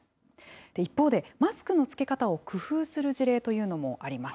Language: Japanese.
一方で、マスクの着け方を工夫する事例というのもあります。